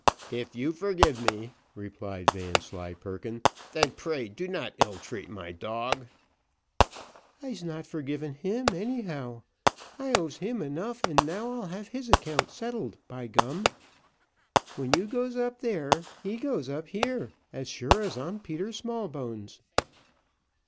"If you forgive me," replied Vanslyperken, "then pray do not ill treat my dog." "I'se not forgiven him, anyhow I owes him enough, and now I'll have his account settled, by gum. When you goes up there, he goes up here, as sure as I'm Peter Smallbones."